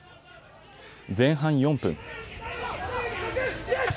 前半４分。